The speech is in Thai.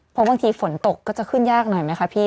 เพราะบางทีฝนตกก็จะขึ้นยากหน่อยไหมคะพี่